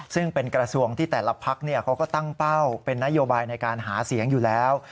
ซึ่งเป็นกระทรวงที่แต่ละพักเขาก็ตั้งเป้าเป็นนโยบายในการหาเสียงอยู่แล้ว